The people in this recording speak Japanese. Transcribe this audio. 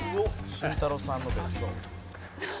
「慎太郎さんの別荘」